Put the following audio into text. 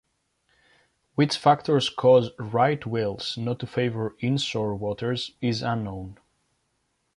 Which factors cause right whales not to favor inshore waters is unknown.